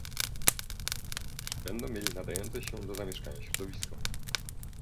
Czy będą mieli nadające się do zamieszkania środowisko?